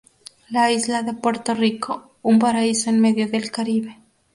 La isla de Puerto Rico: un paraíso en medio del Caribe.